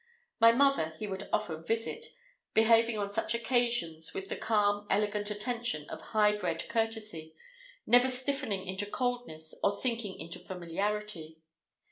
My mother he would often visit, behaving on such occasions with the calm, elegant attention of high bred courtesy, never stiffening into coldness or sinking into familiarity.